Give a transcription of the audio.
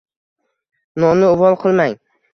Nonni uvol qilmang